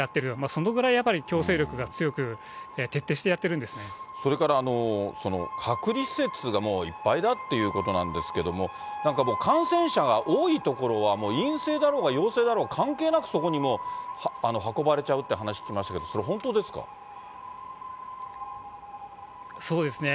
そのぐらいやっぱり、強制力が強く、それから、隔離施設がもういっぱいだっていうことなんですけれども、なんかもう、感染者が多い所は、もう陰性だろうが、陽性だろうが関係なく、そこにもう運ばれちゃうっていう話聞きましたけど、それ、本当でそうですね。